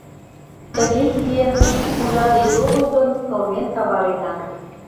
Тыге киен, пуля деч огыл гын, кылмен каварена.